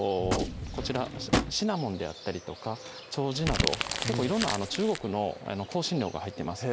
こちらシナモンであったりとかチョウジなど結構色んな中国の香辛料が入ってます